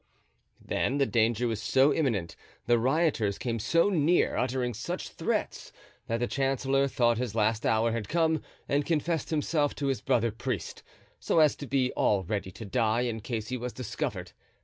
Then the danger was so imminent, the rioters came so near, uttering such threats, that the chancellor thought his last hour had come and confessed himself to his brother priest, so as to be all ready to die in case he was discovered.